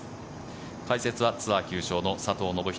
解説はツアー９勝の佐藤信人